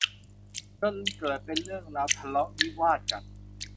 จนเกิดเป็นเรื่องราวทะเลาะวิวาทกัน